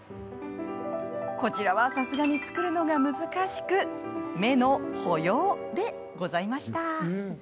こちらはさすがに作るのが難しく目の保養でございました。